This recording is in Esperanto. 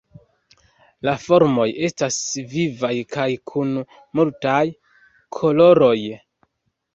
La formoj estas vivaj kaj kun multaj koloroj.